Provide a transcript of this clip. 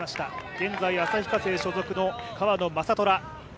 現在旭化成所属の川野将虎。